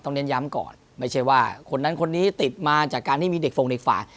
เน้นย้ำก่อนไม่ใช่ว่าคนนั้นคนนี้ติดมาจากการที่มีเด็กฟงเด็กฝ่า